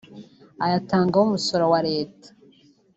ayatangaho umusoro wa Leta